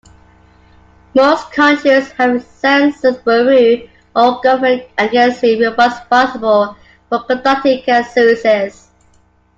Most countries have a census bureau or government agency responsible for conducting censuses.